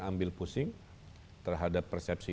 ambil pusing terhadap persepsi